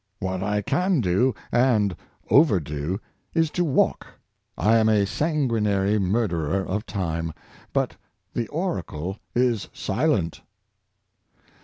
What I can do, and over do, is to walk. I am a sanguinary murderer of time. But the oracle is silent."